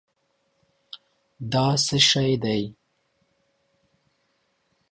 دا څه شی دی؟